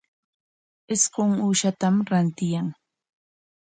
Isqun uushatam rantiykan.